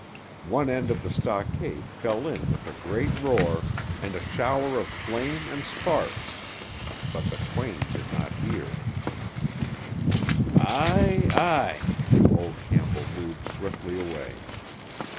One end of the stockade fell in with a great roar and a shower of flame and sparks; but the twain did not hear. "Aye, aye!" Old Campbell moved swiftly away.